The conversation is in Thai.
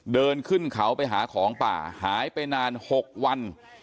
เดินขึ้นเขาไปหาของป่าหายไปนาน๖วัน